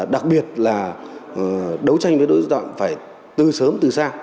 đấu tranh với đối tượng phải từ sớm từ xa